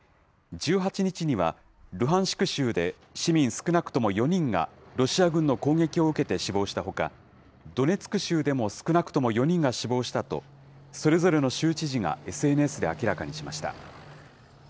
１８日にはルハンシク州で、市民少なくとも４人がロシア軍の攻撃を受けて死亡したほか、ドネツク州でも少なくとも４人が死亡したと、それぞれの州知事がＳＮＳで明らかにしました。